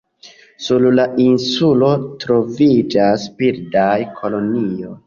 Sur la insulo troviĝas birdaj kolonioj.